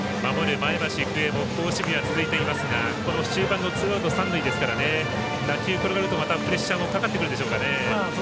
前橋育英も好守備が続いていますが終盤のツーアウト、三塁ですから打球が転がるとプレッシャーかかってきますかね。